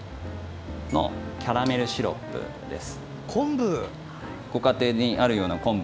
そのキャラメルシロップです。